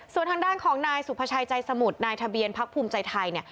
ส่วนทางด้านของนายสุภาชัยใจสมุทรนายทะเบียนพักภูมิใจไทย